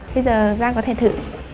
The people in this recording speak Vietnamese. bây giờ giang có thể thử